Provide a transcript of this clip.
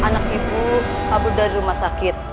ibu anak ibu kabur dari rumah sakit